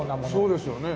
そうですよね。